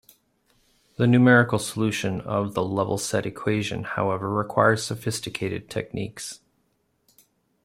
The numerical solution of the level-set equation, however, requires sophisticated techniques.